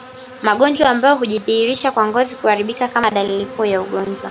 Magonjwa ambayo hujidhihirisha kwa ngozi kuharibika kama dalili kuu ya ugonjwa